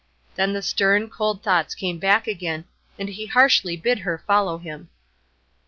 Then the stern, cold thoughts came back again, and he harshly bid her follow him.